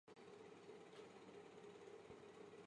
加登是奥地利下奥地利州默德林县的一个市镇。